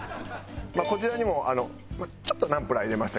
こちらにもちょっとナンプラー入れましたけど。